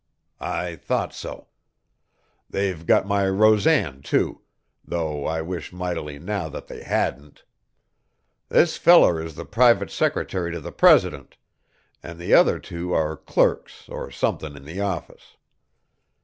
"I thought so. They've got my Rosan, too, though I wish mightily now that they hadn't. This feller is the private secretary to the president, an' the other two are clerks or something in the office.